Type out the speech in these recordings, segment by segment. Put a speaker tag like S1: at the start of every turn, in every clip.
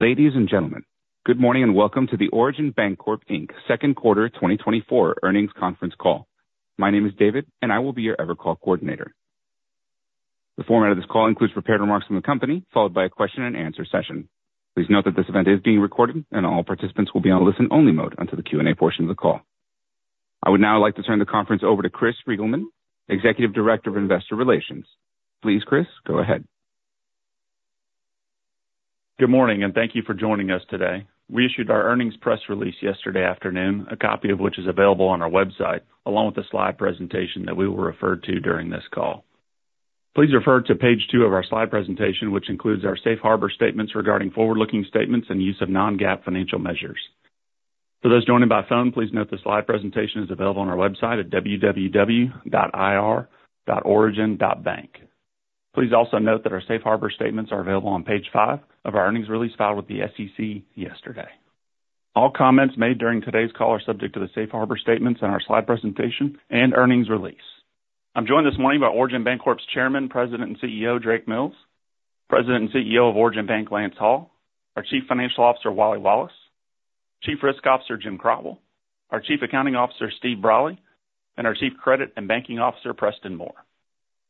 S1: Ladies and gentlemen, good morning and welcome to the Origin Bancorp, Inc second quarter 2024 earnings conference call. My name is David, and I will be your Evercall coordinator. The format of this call includes prepared remarks from the company, followed by a question-and-answer session. Please note that this event is being recorded, and all participants will be on a listen-only mode until the Q&A portion of the call. I would now like to turn the conference over to Chris Reigelman, Executive Director of Investor Relations. Please, Chris, go ahead.
S2: Good morning, and thank you for joining us today. We issued our earnings press release yesterday afternoon, a copy of which is available on our website, along with a slide presentation that we will refer to during this call. Please refer to page 2 of our slide presentation, which includes our Safe Harbor statements regarding forward-looking statements and use of non-GAAP financial measures. For those joining by phone, please note the slide presentation is available on our website at www.ir.origin.bank. Please also note that our Safe Harbor statements are available on page 5 of our earnings release filed with the SEC yesterday. All comments made during today's call are subject to the Safe Harbor statements and our slide presentation and earnings release. I'm joined this morning by Origin Bancorp's Chairman, President, and CEO, Drake Mills, President and CEO of Origin Bank, Lance Hall, our Chief Financial Officer, Wally Wallace, Chief Risk Officer, Jim Crotwell, our Chief Accounting Officer, Steve Brolly, and our Chief Credit and Banking Officer, Preston Moore.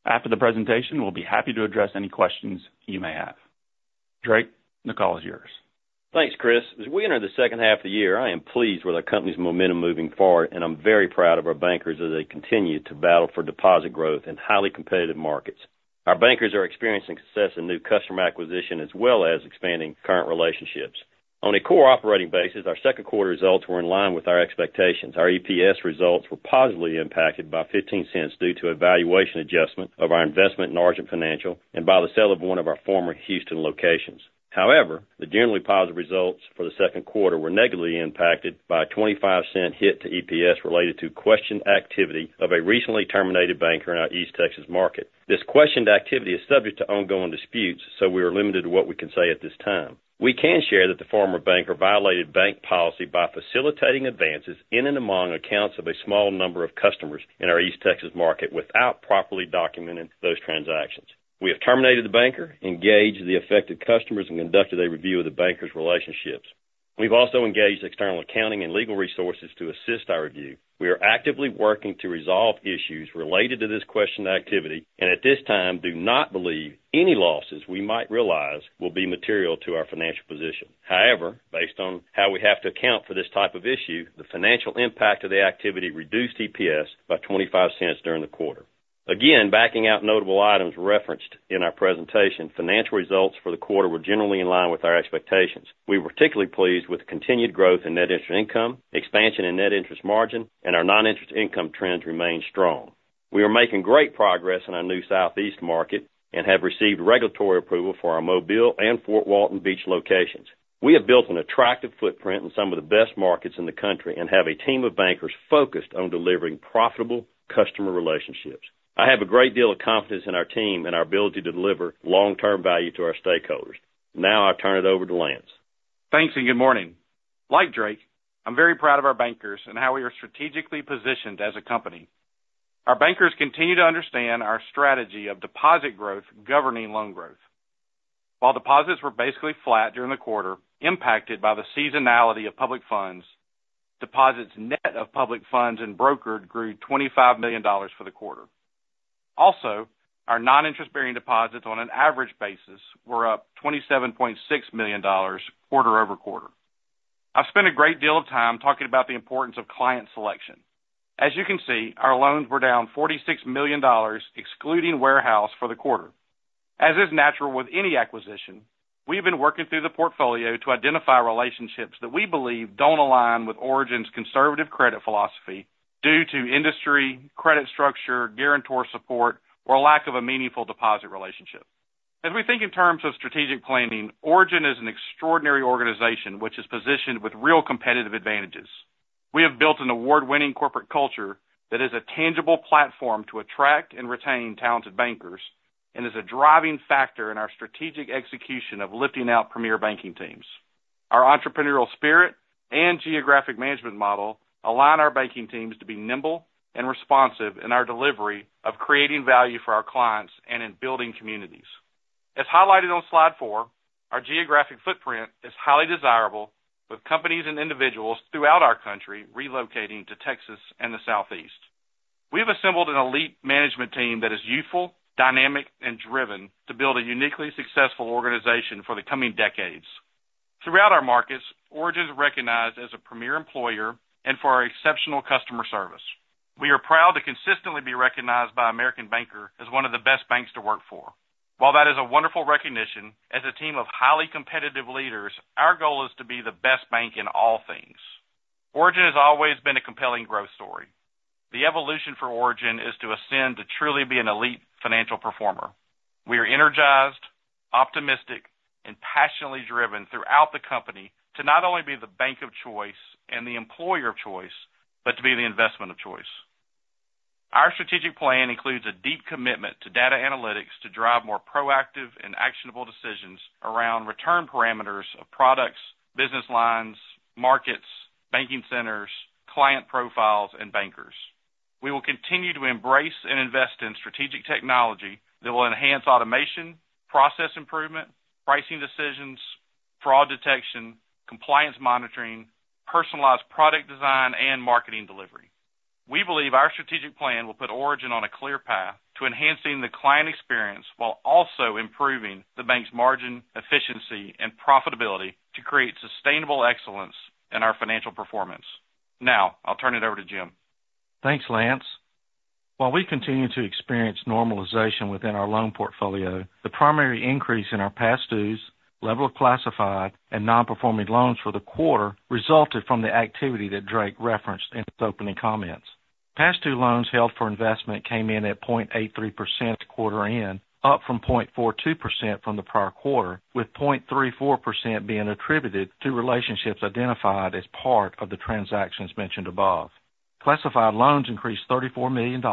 S2: After the presentation, we'll be happy to address any questions you may have. Drake, the call is yours.
S3: Thanks, Chris. As we enter the second half of the year, I am pleased with our company's momentum moving forward, and I'm very proud of our bankers as they continue to battle for deposit growth in highly competitive markets. Our bankers are experiencing success in new customer acquisition as well as expanding current relationships. On a core operating basis, our second quarter results were in line with our expectations. Our EPS results were positively impacted by $0.15 due to a valuation adjustment of our investment in Argent Financial and by the sale of one of our former Houston locations. However, the generally positive results for the second quarter were negatively impacted by a $0.25 hit to EPS related to questioned activity of a recently terminated banker in our East Texas market. This questioned activity is subject to ongoing disputes, so we are limited to what we can say at this time. We can share that the former banker violated bank policy by facilitating advances in and among accounts of a small number of customers in our East Texas market without properly documenting those transactions. We have terminated the banker, engaged the affected customers, and conducted a review of the banker's relationships. We've also engaged external accounting and legal resources to assist our review. We are actively working to resolve issues related to this questioned activity and at this time do not believe any losses we might realize will be material to our financial position. However, based on how we have to account for this type of issue, the financial impact of the activity reduced EPS by $0.25 during the quarter. Again, backing out notable items referenced in our presentation, financial results for the quarter were generally in line with our expectations. We were particularly pleased with continued growth in net interest income, expansion in net interest margin, and our noninterest income trends remain strong. We are making great progress in our new Southeast market and have received regulatory approval for our Mobile and Fort Walton Beach locations. We have built an attractive footprint in some of the best markets in the country and have a team of bankers focused on delivering profitable customer relationships. I have a great deal of confidence in our team and our ability to deliver long-term value to our stakeholders. Now I'll turn it over to Lance.
S4: Thanks and good morning. Like Drake, I'm very proud of our bankers and how we are strategically positioned as a company. Our bankers continue to understand our strategy of deposit growth governing loan growth. While deposits were basically flat during the quarter, impacted by the seasonality of public funds, deposits net of public funds and brokered grew $25 million for the quarter. Also, our non-interest-bearing deposits on an average basis were up $27.6 million quarter-over-quarter. I've spent a great deal of time talking about the importance of client selection. As you can see, our loans were down $46 million, excluding warehouse, for the quarter. As is natural with any acquisition, we've been working through the portfolio to identify relationships that we believe don't align with Origin's conservative credit philosophy due to industry, credit structure, guarantor support, or lack of a meaningful deposit relationship. As we think in terms of strategic planning, Origin is an extraordinary organization which is positioned with real competitive advantages. We have built an award-winning corporate culture that is a tangible platform to attract and retain talented bankers and is a driving factor in our strategic execution of lifting out premier banking teams. Our entrepreneurial spirit and geographic management model align our banking teams to be nimble and responsive in our delivery of creating value for our clients and in building communities. As highlighted on slide 4, our geographic footprint is highly desirable, with companies and individuals throughout our country relocating to Texas and the Southeast. We've assembled an elite management team that is youthful, dynamic, and driven to build a uniquely successful organization for the coming decades. Throughout our markets, Origin is recognized as a premier employer and for our exceptional customer service. We are proud to consistently be recognized by American Banker as one of the best banks to work for. While that is a wonderful recognition, as a team of highly competitive leaders, our goal is to be the best bank in all things. Origin has always been a compelling growth story. The evolution for Origin is to ascend to truly be an elite financial performer. We are energized, optimistic, and passionately driven throughout the company to not only be the bank of choice and the employer of choice, but to be the investment of choice. Our strategic plan includes a deep commitment to data analytics to drive more proactive and actionable decisions around return parameters of products, business lines, markets, banking centers, client profiles, and bankers. We will continue to embrace and invest in strategic technology that will enhance automation, process improvement, pricing decisions, fraud detection, compliance monitoring, personalized product design, and marketing delivery. We believe our strategic plan will put Origin on a clear path to enhancing the client experience while also improving the bank's margin, efficiency, and profitability to create sustainable excellence in our financial performance. Now I'll turn it over to Jim.
S5: Thanks, Lance. While we continue to experience normalization within our loan portfolio, the primary increase in our passed dues, level of classified, and non-performing loans for the quarter resulted from the activity that Drake referenced in his opening comments. Passed due loans held for investment came in at 0.83% at quarter end, up from 0.42% from the prior quarter, with 0.34% being attributed to relationships identified as part of the transactions mentioned above. Classified loans increased $34 million to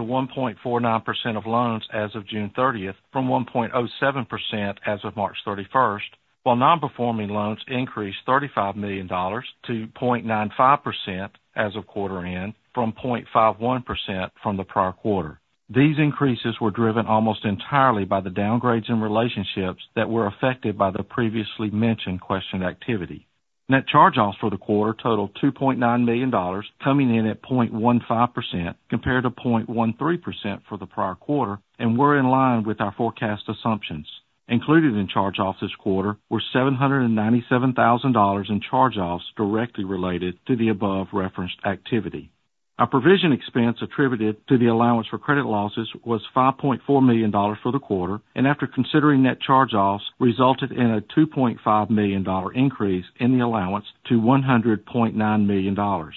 S5: 1.49% of loans as of June 30th from 1.07% as of March 31st, while non-performing loans increased $35 million to 0.95% as of quarter end from 0.51% from the prior quarter. These increases were driven almost entirely by the downgrades in relationships that were affected by the previously mentioned questioned activity. Net charge-offs for the quarter totaled $2.9 million, coming in at 0.15% compared to 0.13% for the prior quarter, and were in line with our forecast assumptions. Included in charge-offs this quarter were $797,000 in charge-offs directly related to the above-referenced activity. Our provision expense attributed to the allowance for credit losses was $5.4 million for the quarter, and after considering net charge-offs, resulted in a $2.5 million increase in the allowance to $100.9 million. On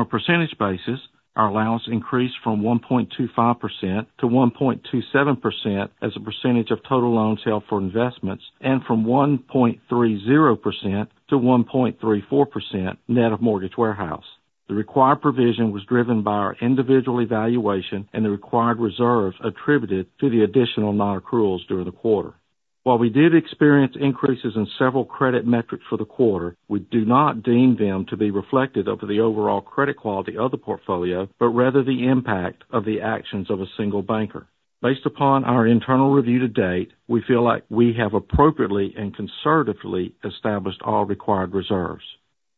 S5: a percentage basis, our allowance increased from 1.25%-1.27% as a percentage of total loans held for investments and from 1.30%-1.34% net of mortgage warehouse. The required provision was driven by our individual evaluation and the required reserves attributed to the additional non-accruals during the quarter. While we did experience increases in several credit metrics for the quarter, we do not deem them to be reflected over the overall credit quality of the portfolio, but rather the impact of the actions of a single banker. Based upon our internal review to date, we feel like we have appropriately and conservatively established all required reserves.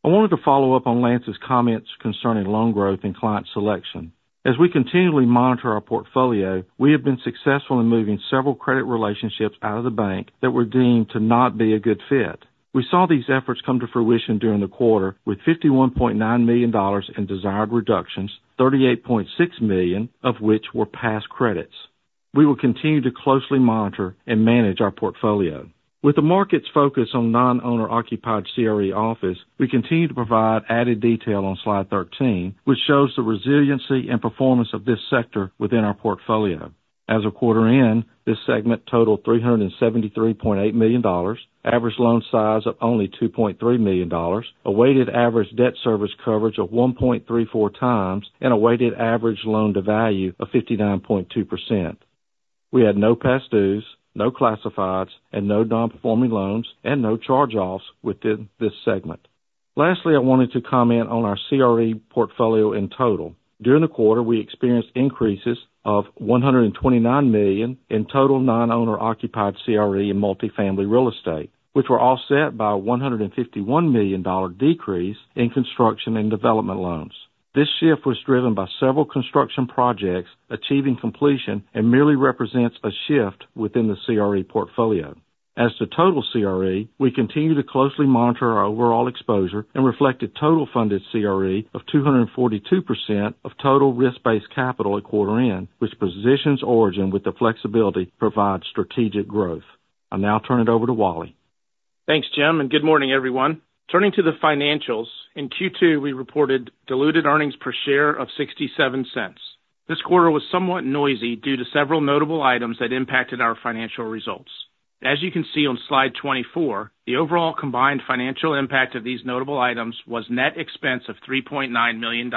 S5: I wanted to follow up on Lance's comments concerning loan growth and client selection. As we continually monitor our portfolio, we have been successful in moving several credit relationships out of the bank that were deemed to not be a good fit. We saw these efforts come to fruition during the quarter with $51.9 million in desired reductions, $38.6 million of which were pass credits. We will continue to closely monitor and manage our portfolio. With the markets focused on non-owner-occupied CRE office, we continue to provide added detail on slide 13, which shows the resiliency and performance of this sector within our portfolio. As of quarter end, this segment totaled $373.8 million, average loan size of only $2.3 million, a weighted average debt service coverage of 1.34 times, and a weighted average loan to value of 59.2%. We had no passed dues, no classifieds, and no non-performing loans, and no charge-offs within this segment. Lastly, I wanted to comment on our CRE portfolio in total. During the quarter, we experienced increases of $129 million in total non-owner-occupied CRE in multifamily real estate, which were offset by a $151 million decrease in construction and development loans. This shift was driven by several construction projects achieving completion and merely represents a shift within the CRE portfolio. As the total CRE, we continue to closely monitor our overall exposure and reflect a total funded CRE of 242% of total risk-based capital at quarter end, which positions Origin with the flexibility to provide strategic growth. I'll now turn it over to Wally.
S6: Thanks, Jim, and good morning, everyone. Turning to the financials, in Q2, we reported diluted earnings per share of $0.67. This quarter was somewhat noisy due to several notable items that impacted our financial results. As you can see on slide 24, the overall combined financial impact of these notable items was net expense of $3.9 million,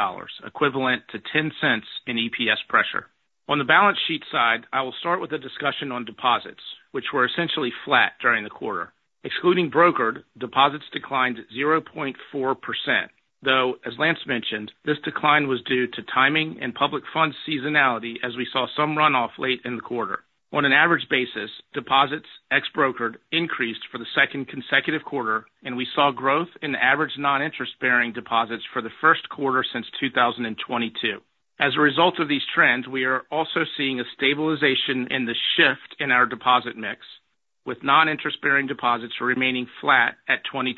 S6: equivalent to $0.10 in EPS pressure. On the balance sheet side, I will start with a discussion on deposits, which were essentially flat during the quarter. Excluding brokered deposits, deposits declined 0.4%, though, as Lance mentioned, this decline was due to timing and public funds seasonality as we saw some runoff late in the quarter. On an average basis, deposits ex-brokered increased for the second consecutive quarter, and we saw growth in average noninterest-bearing deposits for the first quarter since 2022. As a result of these trends, we are also seeing a stabilization in the shift in our deposit mix, with non-interest-bearing deposits remaining flat at 22%.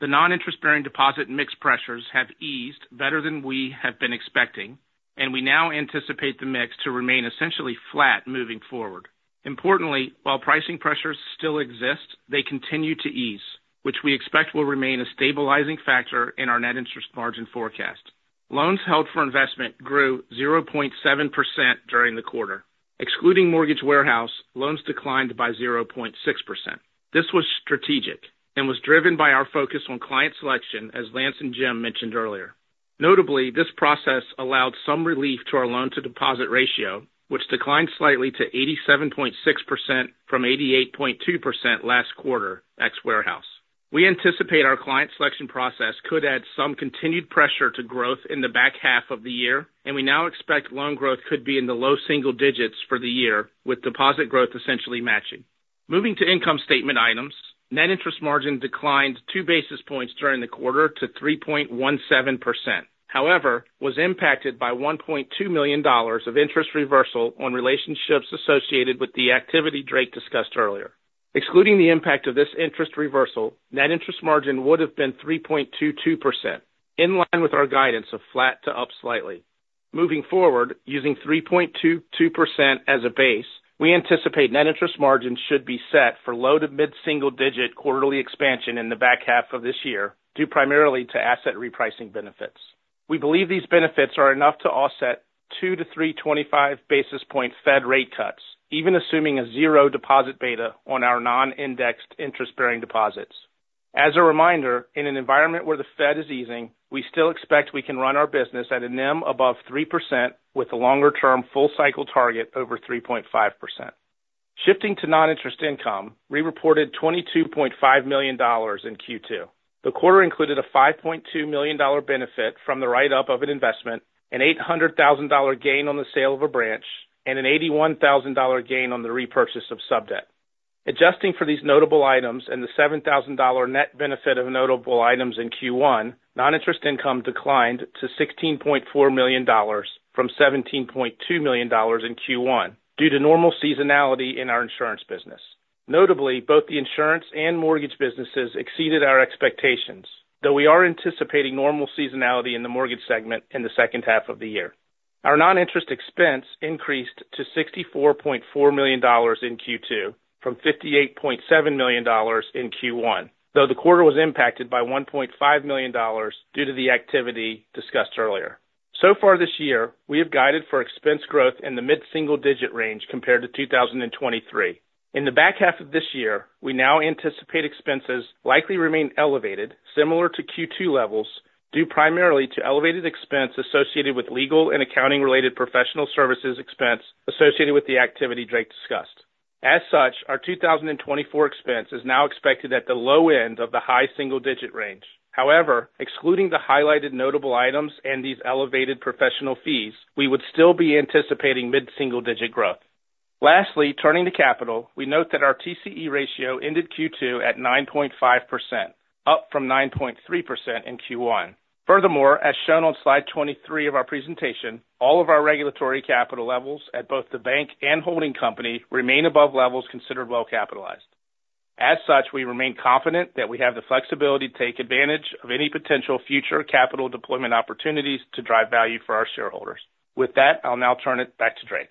S6: The non-interest-bearing deposit mix pressures have eased better than we have been expecting, and we now anticipate the mix to remain essentially flat moving forward. Importantly, while pricing pressures still exist, they continue to ease, which we expect will remain a stabilizing factor in our net interest margin forecast. Loans held for investment grew 0.7% during the quarter. Excluding mortgage warehouse, loans declined by 0.6%. This was strategic and was driven by our focus on client selection, as Lance and Jim mentioned earlier. Notably, this process allowed some relief to our loan-to-deposit ratio, which declined slightly to 87.6% from 88.2% last quarter ex-warehouse. We anticipate our client selection process could add some continued pressure to growth in the back half of the year, and we now expect loan growth could be in the low single digits for the year, with deposit growth essentially matching. Moving to income statement items, net interest margin declined 2 basis points during the quarter to 3.17%. However, it was impacted by $1.2 million of interest reversal on relationships associated with the activity Drake discussed earlier. Excluding the impact of this interest reversal, net interest margin would have been 3.22%, in line with our guidance of flat to up slightly. Moving forward, using 3.22% as a base, we anticipate net interest margin should be set for low to mid-single-digit quarterly expansion in the back half of this year due primarily to asset repricing benefits. We believe these benefits are enough to offset two to three 25 basis point Fed rate cuts, even assuming a zero deposit beta on our non-indexed interest-bearing deposits. As a reminder, in an environment where the Fed is easing, we still expect we can run our business at a NIM above 3% with a longer-term full-cycle target over 3.5%. Shifting to non-interest income, we reported $22.5 million in Q2. The quarter included a $5.2 million benefit from the write-up of an investment, an $800,000 gain on the sale of a branch, and an $81,000 gain on the repurchase of sub debt. Adjusting for these notable items and the $7,000 net benefit of notable items in Q1, non-interest income declined to $16.4 million from $17.2 million in Q1 due to normal seasonality in our insurance business. Notably, both the insurance and mortgage businesses exceeded our expectations, though we are anticipating normal seasonality in the mortgage segment in the second half of the year. Our non-interest expense increased to $64.4 million in Q2 from $58.7 million in Q1, though the quarter was impacted by $1.5 million due to the activity discussed earlier. So far this year, we have guided for expense growth in the mid-single-digit range compared to 2023. In the back half of this year, we now anticipate expenses likely to remain elevated, similar to Q2 levels, due primarily to elevated expense associated with legal and accounting-related professional services expense associated with the activity Drake discussed. As such, our 2024 expense is now expected at the low end of the high single-digit range. However, excluding the highlighted notable items and these elevated professional fees, we would still be anticipating mid-single-digit growth. Lastly, turning to capital, we note that our TCE ratio ended Q2 at 9.5%, up from 9.3% in Q1. Furthermore, as shown on slide 23 of our presentation, all of our regulatory capital levels at both the bank and holding company remain above levels considered well capitalized. As such, we remain confident that we have the flexibility to take advantage of any potential future capital deployment opportunities to drive value for our shareholders. With that, I'll now turn it back to Drake.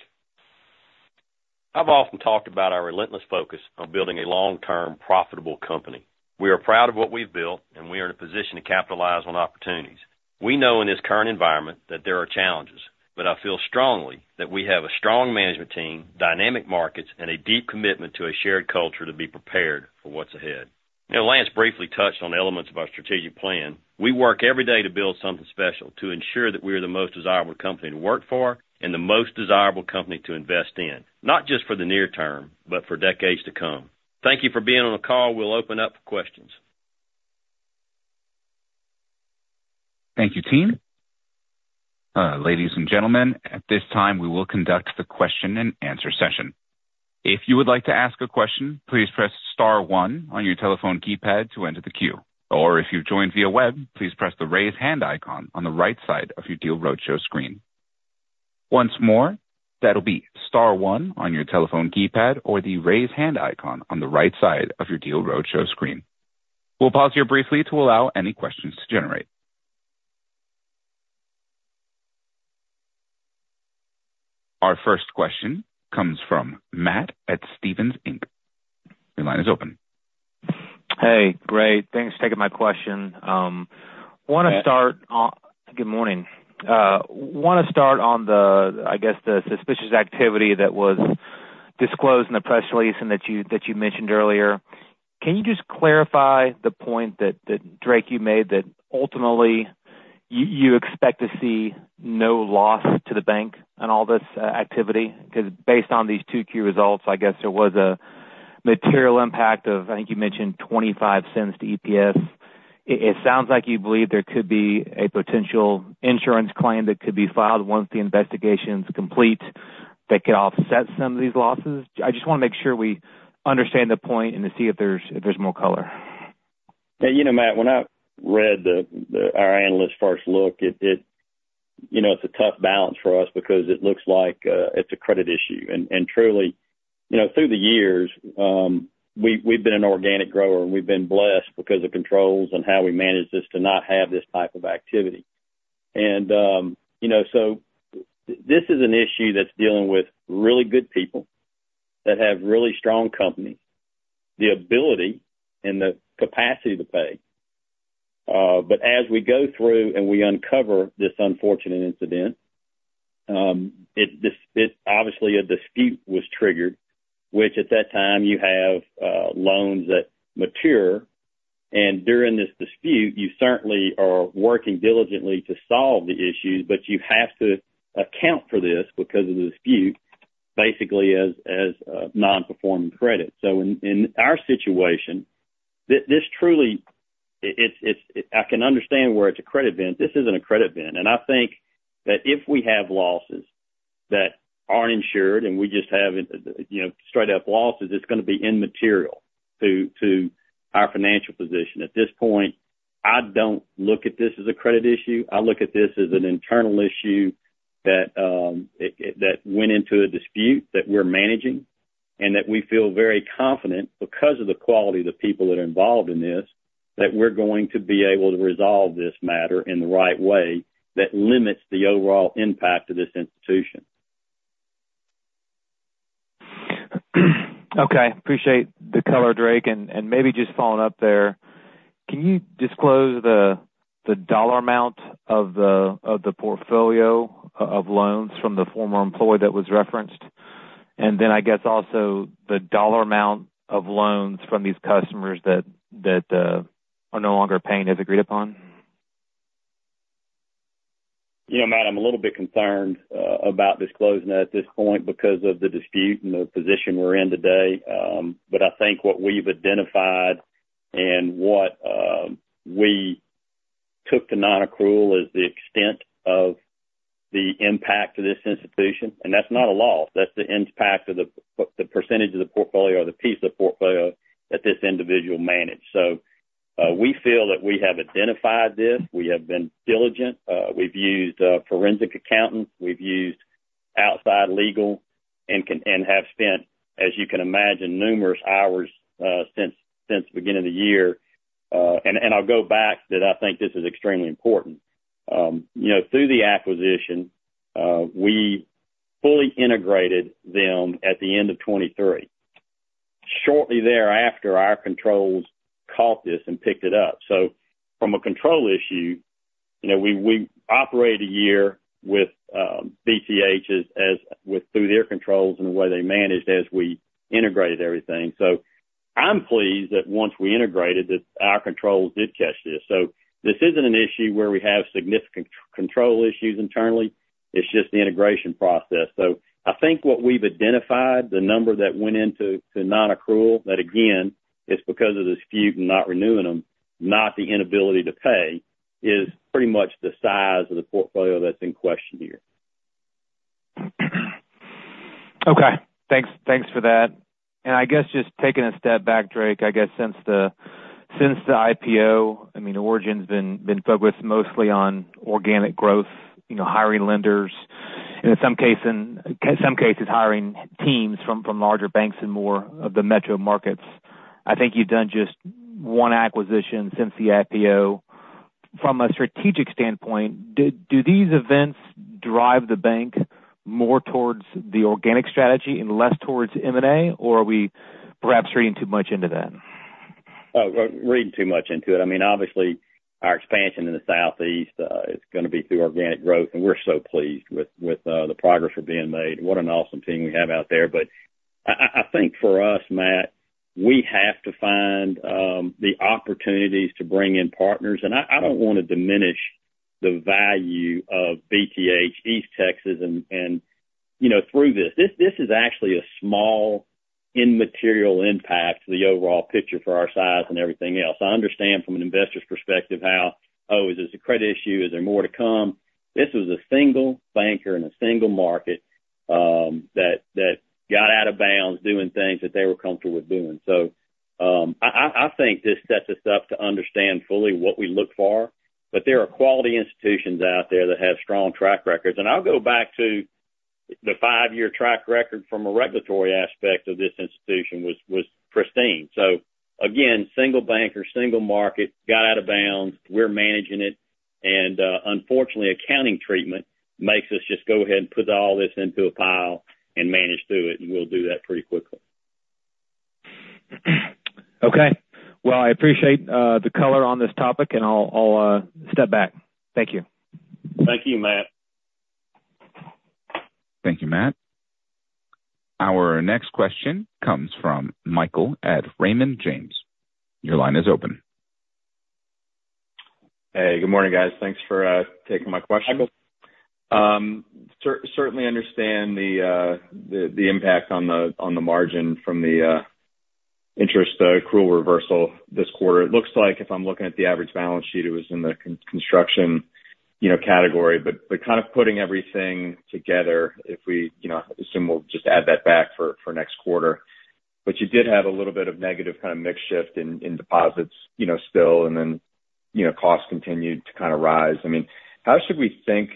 S3: I've often talked about our relentless focus on building a long-term profitable company. We are proud of what we've built, and we are in a position to capitalize on opportunities. We know in this current environment that there are challenges, but I feel strongly that we have a strong management team, dynamic markets, and a deep commitment to a shared culture to be prepared for what's ahead. Lance briefly touched on elements of our strategic plan. We work every day to build something special to ensure that we are the most desirable company to work for and the most desirable company to invest in, not just for the near term, but for decades to come. Thank you for being on the call. We'll open up for questions.
S1: Thank you, team. Ladies and gentlemen, at this time, we will conduct the question-and-answer session. If you would like to ask a question, please press star one on your telephone keypad to enter the queue. Or if you've joined via web, please press the raise hand icon on the right side of your Deal Roadshow screen. Once more, that'll be star one on your telephone keypad or the raise hand icon on the right side of your Deal Roadshow screen. We'll pause here briefly to allow any questions to generate. Our first question comes from Matt at Stephens Inc. Your line is open.
S7: Hey, Drake. Thanks for taking my question. I want to start on, good morning. I want to start on the, I guess, the suspicious activity that was disclosed in the press release and that you mentioned earlier. Can you just clarify the point that, Drake, you made that ultimately you expect to see no loss to the bank on all this activity? Because based on these two key results, I guess there was a material impact of, I think you mentioned, $0.25 to EPS. It sounds like you believe there could be a potential insurance claim that could be filed once the investigation's complete that could offset some of these losses. I just want to make sure we understand the point and to see if there's more color.
S3: Yeah. You know, Matt, when I read our analyst first look, it's a tough balance for us because it looks like it's a credit issue. And truly, through the years, we've been an organic grower, and we've been blessed because of controls and how we manage this to not have this type of activity. And so this is an issue that's dealing with really good people that have really strong companies, the ability and the capacity to pay. But as we go through and we uncover this unfortunate incident, obviously, a dispute was triggered, which at that time, you have loans that mature. And during this dispute, you certainly are working diligently to solve the issues, but you have to account for this because of the dispute, basically as non-performing credit. So in our situation, this truly—I can understand where it's a credit bin. This isn't a credit bin. I think that if we have losses that aren't insured and we just have straight-up losses, it's going to be immaterial to our financial position. At this point, I don't look at this as a credit issue. I look at this as an internal issue that went into a dispute that we're managing and that we feel very confident because of the quality of the people that are involved in this, that we're going to be able to resolve this matter in the right way that limits the overall impact of this institution.
S7: Okay. Appreciate the color, Drake. And maybe just following up there, can you disclose the dollar amount of the portfolio of loans from the former employee that was referenced? And then I guess also the dollar amount of loans from these customers that are no longer paying as agreed upon?
S3: You know, Matt, I'm a little bit concerned about disclosing that at this point because of the dispute and the position we're in today. But I think what we've identified and what we took to non-accrual is the extent of the impact of this institution. And that's not a loss. That's the impact of the percentage of the portfolio or the piece of the portfolio that this individual managed. So we feel that we have identified this. We have been diligent. We've used forensic accountants. We've used outside legal and have spent, as you can imagine, numerous hours since the beginning of the year. And I'll go back that I think this is extremely important. Through the acquisition, we fully integrated them at the end of 2023. Shortly thereafter, our controls caught this and picked it up. So from a control issue, we operated a year with BTH's through their controls and the way they managed as we integrated everything. So I'm pleased that once we integrated, our controls did catch this. So this isn't an issue where we have significant control issues internally. It's just the integration process. So I think what we've identified, the number that went into non-accrual, that again, it's because of the dispute and not renewing them, not the inability to pay, is pretty much the size of the portfolio that's in question here.
S7: Okay. Thanks for that. I guess just taking a step back, Drake, I guess since the IPO, I mean, Origin's been focused mostly on organic growth, hiring lenders, and in some cases, hiring teams from larger banks and more of the metro markets. I think you've done just one acquisition since the IPO. From a strategic standpoint, do these events drive the bank more towards the organic strategy and less towards M&A, or are we perhaps reading too much into that?
S3: Oh, we're reading too much into it. I mean, obviously, our expansion in the Southeast is going to be through organic growth, and we're so pleased with the progress we're being made. What an awesome team we have out there. But I think for us, Matt, we have to find the opportunities to bring in partners. And I don't want to diminish the value of BTH East Texas through this. This is actually a small immaterial impact to the overall picture for our size and everything else. I understand from an investor's perspective how, "Oh, is this a credit issue? Is there more to come?" This was a single banker in a single market that got out of bounds doing things that they were comfortable with doing. So I think this sets us up to understand fully what we look for. But there are quality institutions out there that have strong track records. I'll go back to the five-year track record from a regulatory aspect of this institution was pristine. So again, single banker, single market, got out of bounds. We're managing it. Unfortunately, accounting treatment makes us just go ahead and put all this into a pile and manage through it. We'll do that pretty quickly.
S7: Okay. Well, I appreciate the color on this topic, and I'll step back. Thank you.
S3: Thank you, Matt.
S1: Thank you, Matt. Our next question comes from Michael at Raymond James. Your line is open.
S8: Hey, good morning, guys. Thanks for taking my question. Certainly understand the impact on the margin from the interest accrual reversal this quarter. It looks like if I'm looking at the average balance sheet, it was in the construction category. But kind of putting everything together, if we assume we'll just add that back for next quarter. But you did have a little bit of negative kind of mix shift in deposits still, and then costs continued to kind of rise. I mean, how should we think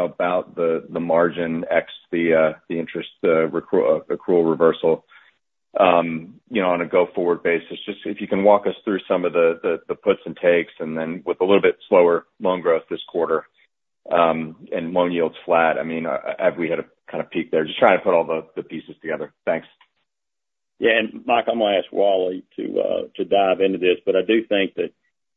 S8: about the margin ex the interest accrual reversal on a go-forward basis? Just if you can walk us through some of the puts and takes and then with a little bit slower loan growth this quarter and loan yields flat. I mean, have we had a kind of peak there? Just trying to put all the pieces together. Thanks.
S3: Yeah. And Mike, I'm going to ask Wally to dive into this. But I do think that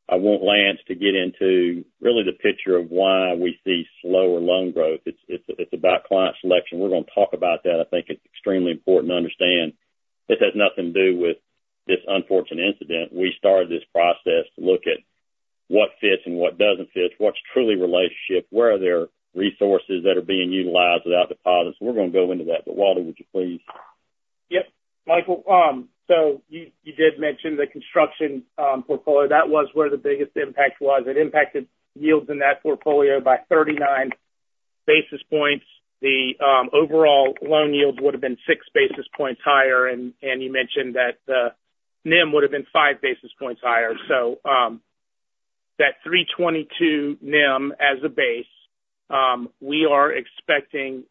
S3: I want Lance to get into really the picture of why we see slower loan growth. It's about client selection. We're going to talk about that. I think it's extremely important to understand this has nothing to do with this unfortunate incident. We started this process to look at what fits and what doesn't fit, what's truly relationship, where are there resources that are being utilized without deposits. We're going to go into that. But Wally, would you please?
S6: Yep. Michael, so you did mention the construction portfolio. That was where the biggest impact was. It impacted yields in that portfolio by 39 basis points. The overall loan yields would have been 6 basis points higher. And you mentioned that the NIM would have been 5 basis points higher. So that 322 NIM as a base, we are expecting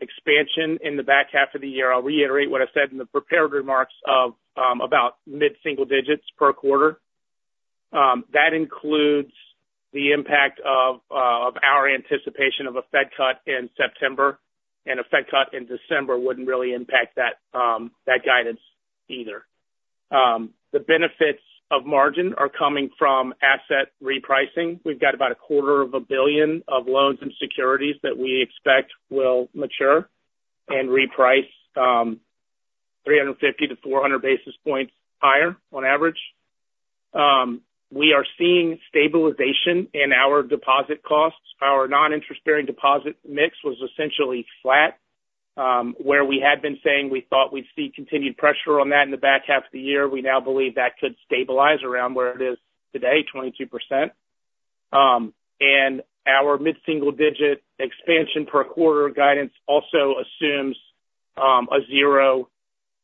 S6: expansion in the back half of the year. I'll reiterate what I said in the prepared remarks of about mid-single digits per quarter. That includes the impact of our anticipation of a Fed cut in September. And a Fed cut in December wouldn't really impact that guidance either. The benefits of margin are coming from asset repricing. We've got about $250 million of loans and securities that we expect will mature and reprice 350-400 basis points higher on average. We are seeing stabilization in our deposit costs. Our non-interest-bearing deposit mix was essentially flat, where we had been saying we thought we'd see continued pressure on that in the back half of the year. We now believe that could stabilize around where it is today, 22%. Our mid-single digit expansion per quarter guidance also assumes a 0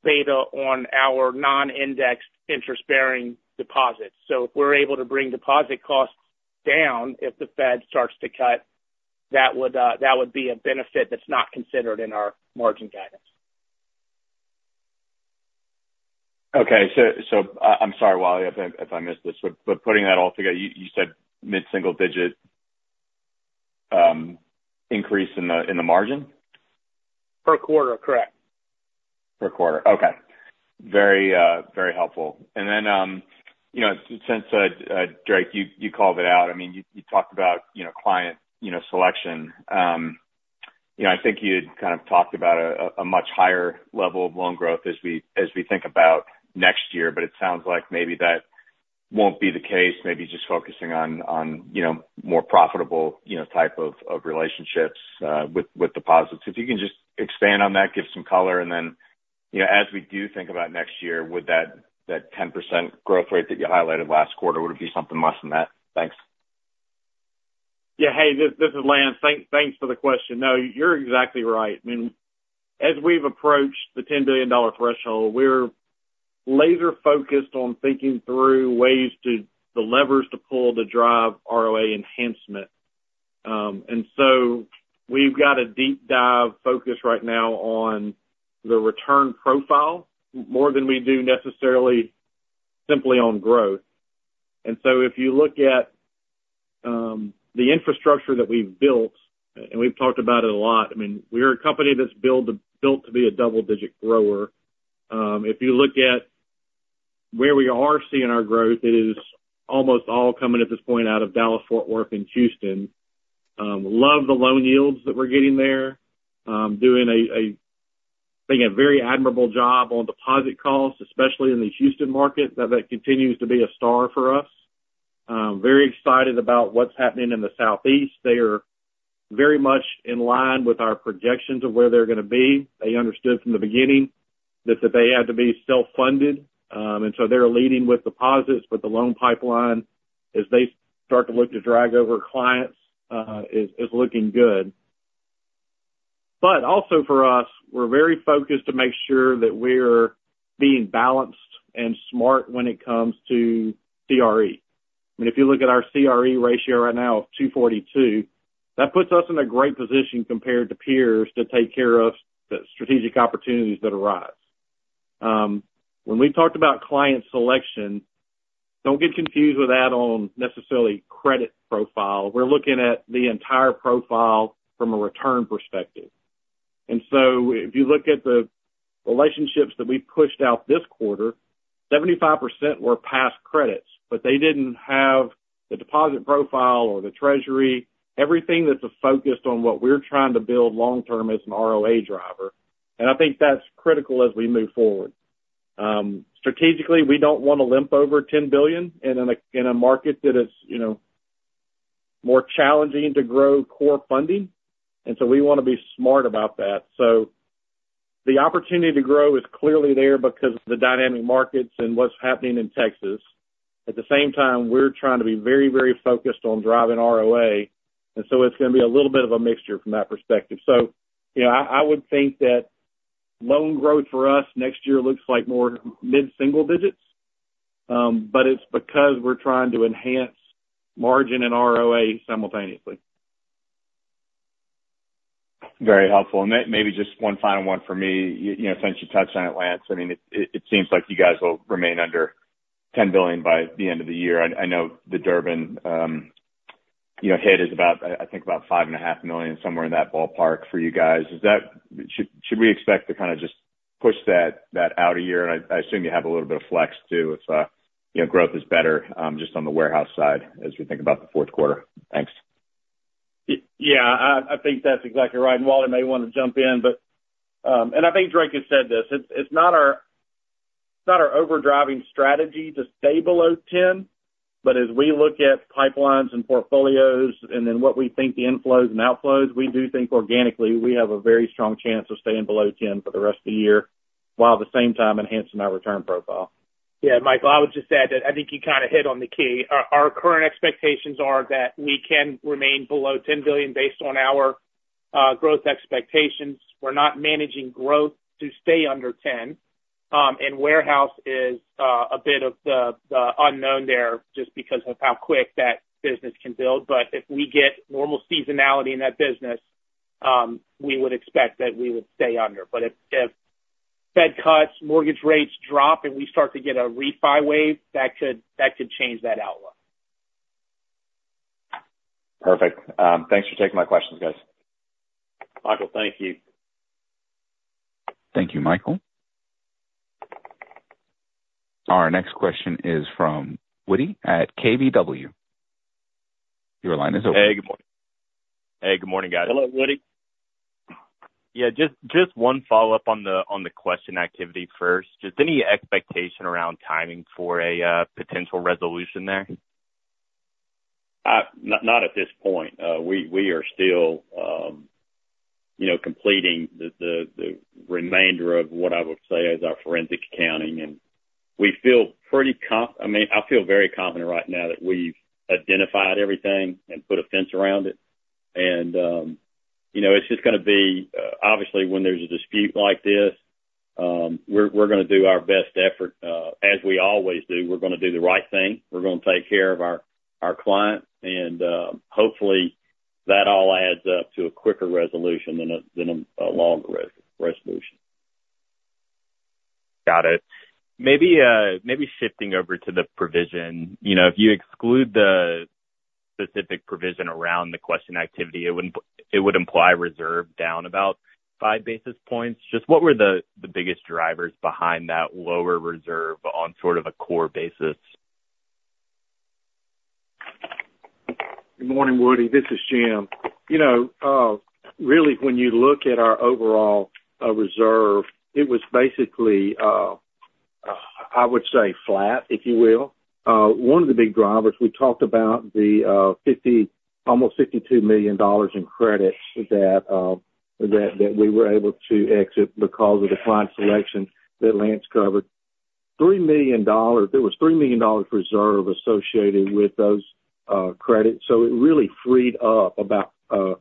S6: beta on our non-indexed interest-bearing deposits. If we're able to bring deposit costs down, if the Fed starts to cut, that would be a benefit that's not considered in our margin guidance.
S8: Okay. So I'm sorry, Wally, if I missed this. But putting that all together, you said mid-single digit increase in the margin?
S6: Per quarter, correct.
S8: Per quarter. Okay. Very helpful. And then since Drake, you called it out, I mean, you talked about client selection. I think you had kind of talked about a much higher level of loan growth as we think about next year. But it sounds like maybe that won't be the case. Maybe just focusing on more profitable type of relationships with deposits. If you can just expand on that, give some color. And then as we do think about next year, would that 10% growth rate that you highlighted last quarter be something less than that? Thanks.
S4: Yeah. Hey, this is Lance. Thanks for the question. No, you're exactly right. I mean, as we've approached the $10 billion threshold, we're laser-focused on thinking through ways to the levers to pull to drive ROA enhancement. And so we've got a deep dive focus right now on the return profile more than we do necessarily simply on growth. And so if you look at the infrastructure that we've built, and we've talked about it a lot, I mean, we're a company that's built to be a double-digit grower. If you look at where we are seeing our growth, it is almost all coming at this point out of Dallas, Fort Worth, and Houston. Love the loan yields that we're getting there. Doing a very admirable job on deposit costs, especially in the Houston market. That continues to be a star for us. Very excited about what's happening in the Southeast. They are very much in line with our projections of where they're going to be. They understood from the beginning that they had to be self-funded. And so they're leading with deposits. But the loan pipeline, as they start to look to drag over clients, is looking good. But also for us, we're very focused to make sure that we're being balanced and smart when it comes to CRE. I mean, if you look at our CRE ratio right now of 242, that puts us in a great position compared to peers to take care of the strategic opportunities that arise. When we talked about client selection, don't get confused with that on necessarily credit profile. We're looking at the entire profile from a return perspective. And so if you look at the relationships that we pushed out this quarter, 75% were passed credits. But they didn't have the deposit profile or the treasury. Everything that's focused on what we're trying to build long-term is an ROA driver. And I think that's critical as we move forward. Strategically, we don't want to limp over $10 billion in a market that is more challenging to grow core funding. And so we want to be smart about that. So the opportunity to grow is clearly there because of the dynamic markets and what's happening in Texas. At the same time, we're trying to be very, very focused on driving ROA. And so it's going to be a little bit of a mixture from that perspective. So I would think that loan growth for us next year looks like more mid-single digits. But it's because we're trying to enhance margin and ROA simultaneously.
S8: Very helpful. Maybe just one final one for me. Since you touched on it, Lance, I mean, it seems like you guys will remain under $10 billion by the end of the year. I know the Durbin hit is about, I think, about $5.5 million, somewhere in that ballpark for you guys. Should we expect to kind of just push that out a year? And I assume you have a little bit of flex too if growth is better just on the warehouse side as we think about the fourth quarter. Thanks.
S4: Yeah. I think that's exactly right. And Wally may want to jump in. And I think Drake has said this. It's not our overriding strategy to stay below 10. But as we look at pipelines and portfolios and then what we think the inflows and outflows, we do think organically we have a very strong chance of staying below 10 for the rest of the year while at the same time enhancing our return profile.
S6: Yeah. Michael, I would just add that I think you kind of hit on the key. Our current expectations are that we can remain below $10 billion based on our growth expectations. We're not managing growth to stay under 10. And warehouse is a bit of the unknown there just because of how quick that business can build. But if we get normal seasonality in that business, we would expect that we would stay under. But if Fed cuts, mortgage rates drop, and we start to get a refi wave, that could change that outlook.
S8: Perfect. Thanks for taking my questions, guys.
S3: Michael, thank you.
S1: Thank you, Michael. Our next question is from Woody at KBW. Your line is open.
S9: Hey, good morning. Hey, good morning, guys.
S3: Hello, Woody.
S9: Yeah. Just one follow-up on the question activity first. Just any expectation around timing for a potential resolution there?
S3: Not at this point. We are still completing the remainder of what I would say is our forensic accounting. We feel pretty confident. I mean, I feel very confident right now that we've identified everything and put a fence around it. It's just going to be obviously when there's a dispute like this, we're going to do our best effort as we always do. We're going to do the right thing. We're going to take care of our client. Hopefully, that all adds up to a quicker resolution than a longer resolution.
S9: Got it. Maybe shifting over to the provision. If you exclude the specific provision around the question activity, it would imply reserve down about 5 basis points. Just what were the biggest drivers behind that lower reserve on sort of a core basis?
S5: Good morning, Woody. This is Jim. Really, when you look at our overall reserve, it was basically, I would say, flat, if you will. One of the big drivers, we talked about the almost $52 million in credits that we were able to exit because of the client selection that Lance covered. There was $3 million reserve associated with those credits. So it really freed up about $3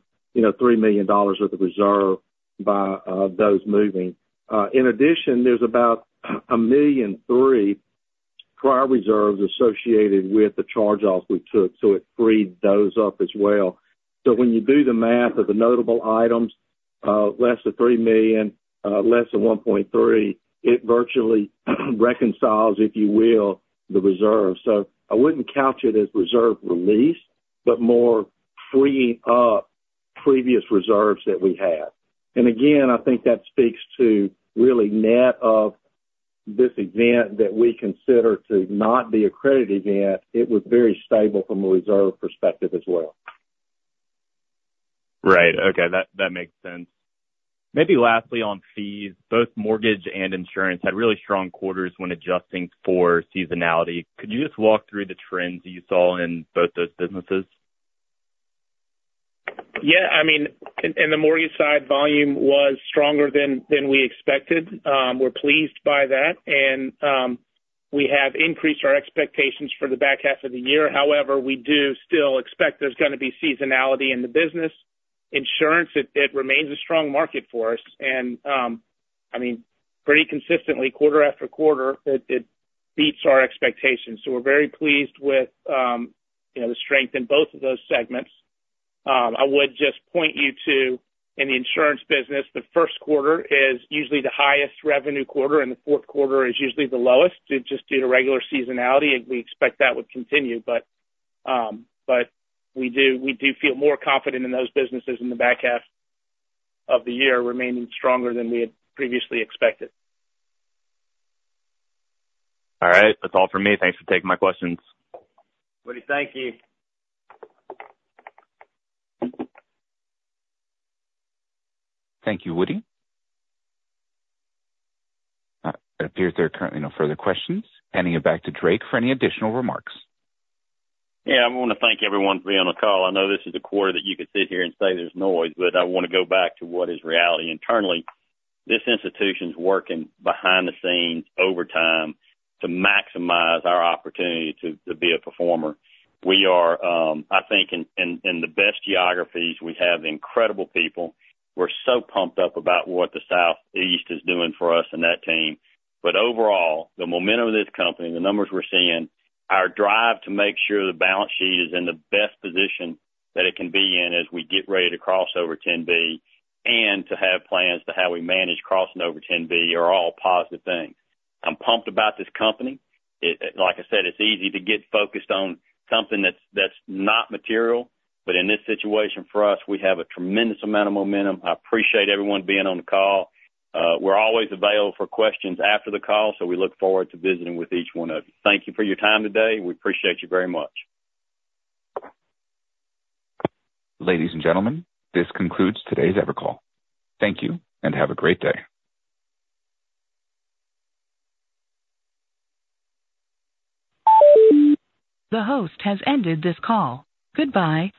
S5: million of the reserve by those moving. In addition, there's about a million three prior reserves associated with the charge-off we took. So it freed those up as well. So when you do the math of the notable items, less than $3 million, less than $1.3 million, it virtually reconciles, if you will, the reserve. So I wouldn't couch it as reserve release, but more freeing up previous reserves that we had. Again, I think that speaks to really net of this event that we consider to not be a credit event. It was very stable from a reserve perspective as well.
S9: Right. Okay. That makes sense. Maybe lastly on fees, both mortgage and insurance had really strong quarters when adjusting for seasonality. Could you just walk through the trends you saw in both those businesses?
S6: Yeah. I mean, in the mortgage side, volume was stronger than we expected. We're pleased by that. And we have increased our expectations for the back half of the year. However, we do still expect there's going to be seasonality in the business. Insurance, it remains a strong market for us. And I mean, pretty consistently, quarter after quarter, it beats our expectations. So we're very pleased with the strength in both of those segments. I would just point you to, in the insurance business, the first quarter is usually the highest revenue quarter. And the fourth quarter is usually the lowest just due to regular seasonality. We expect that would continue. But we do feel more confident in those businesses in the back half of the year remaining stronger than we had previously expected.
S9: All right. That's all for me. Thanks for taking my questions.
S3: Woody, thank you.
S1: Thank you, Woody. It appears there are currently no further questions. Handing it back to Drake for any additional remarks.
S3: Yeah. I want to thank everyone for being on the call. I know this is a quarter that you could sit here and say there's noise. But I want to go back to what is reality internally. This institution's working behind the scenes overtime to maximize our opportunity to be a performer. We are, I think, in the best geographies. We have incredible people. We're so pumped up about what the Southeast is doing for us and that team. But overall, the momentum of this company, the numbers we're seeing, our drive to make sure the balance sheet is in the best position that it can be in as we get ready to cross over 10B and to have plans to how we manage crossing over 10B are all positive things. I'm pumped about this company. Like I said, it's easy to get focused on something that's not material. In this situation for us, we have a tremendous amount of momentum. I appreciate everyone being on the call. We're always available for questions after the call. We look forward to visiting with each one of you. Thank you for your time today. We appreciate you very much.
S1: Ladies and gentlemen, this concludes today's Evercall. Thank you and have a great day. The host has ended this call. Goodbye.